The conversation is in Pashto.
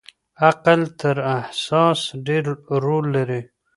عقل تر احساس ډېر رول لري.